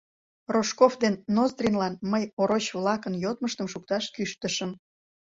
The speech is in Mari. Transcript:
Рожков ден Ноздринлан мый ороч-влакын йодмыштым шукташ кӱштышым.